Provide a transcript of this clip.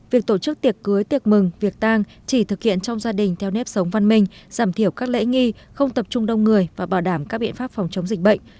việc tổ chức tiệc cưới tiệc mừng việc tang chỉ thực hiện trong gia đình theo nếp sống văn minh giảm thiểu các lễ nghi không tập trung đông người và bảo đảm các biện pháp phòng chống dịch bệnh